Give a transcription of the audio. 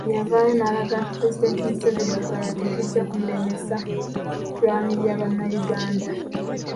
Yavaayo n'alaga nti Pulezidenti Museveni okulayira, tekijja kumulemesa kulwanirira bannayuganda.